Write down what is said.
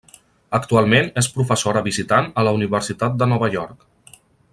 Actualment és professora visitant a la Universitat de Nova York.